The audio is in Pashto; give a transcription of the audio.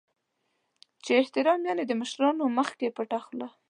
چې احترام یعنې د مشرانو مخکې پټه خوله .